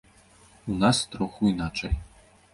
У нас троху іначай.